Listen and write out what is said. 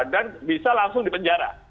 dan bisa langsung dipenjara